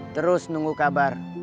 terus nunggu kabar